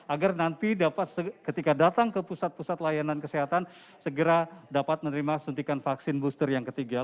agar nanti dapat ketika datang ke pusat pusat layanan kesehatan segera dapat menerima suntikan vaksin booster yang ketiga